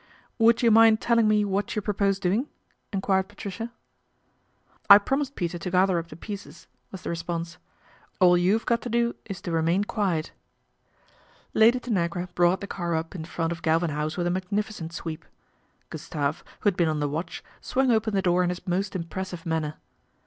Would you mind telling me what you propose doing ?" enquired Patricia. " I promised Peter to gather up the pieces/' was the response. "All you've got to do is to remain quiet." Lady Tanagra brought the car up in front of Galvin House with a magnificent sweep. Gustave, who had been on the watch, swung open the door in his most impressive manner.